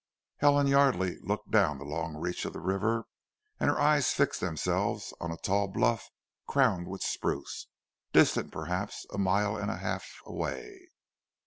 Helen Yardely looked down the long reach of the river and her eyes fixed themselves on a tall bluff crowned with spruce, distant perhaps a mile and a half away.